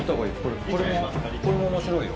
これも面白いよ。